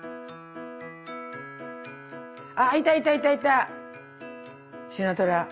あいたいたいたいたシナトラ。